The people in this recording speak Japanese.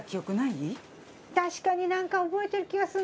確かになんか覚えてる気がするな。